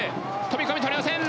飛び込み捕れません。